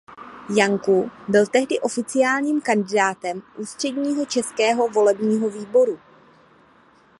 Janků byl tehdy oficiálním kandidátem ústředního českého volebního výboru.